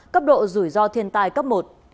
cấp độ rủi ro thiên tai cấp một